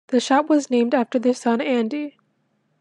The shop was named after their son Andy.